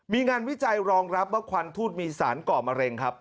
มีงานวิจัยรองรับว่าควันทูตมีสารก่อมะเร็งครับ